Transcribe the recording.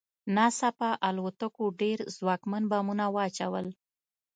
ناڅاپه الوتکو ډېر ځواکمن بمونه واچول